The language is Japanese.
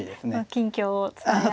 近況を伝え合って。